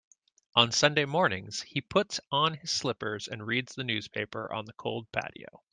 On Sunday mornings, he puts on his slippers and reads the newspaper on the cold patio.